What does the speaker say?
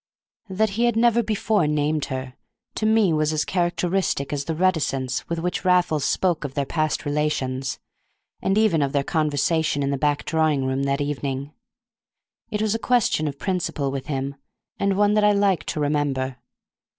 That he had never before named her to me was as characteristic as the reticence with which Raffles spoke of their past relations, and even of their conversation in the back drawing room that evening. It was a question of principle with him, and one that I like to remember.